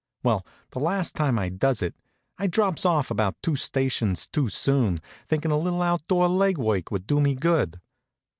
Well, the last time I does it, I drops off about two stations too soon, thinkin' a little outdoor leg work would do me good.